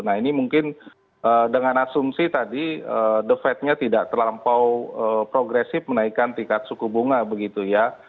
nah ini mungkin dengan asumsi tadi the fednya tidak terlampau progresif menaikkan tingkat suku bunga begitu ya